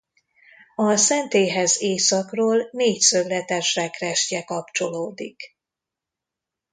A szentélyhez északról négyszögletes sekrestye kapcsolódik.